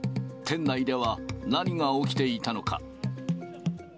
店内では何が起きていたのか。